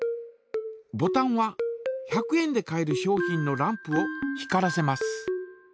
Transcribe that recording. ボタンは１００円で買える商品のランプを光らせます。